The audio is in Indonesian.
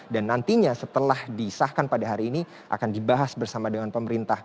dan nantinya setelah disahkan pada hari ini akan dibahas bersama dengan pemerintah